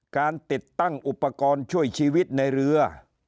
การติดตั้งอุปกรณ์ช่วยชีวิตในเรือ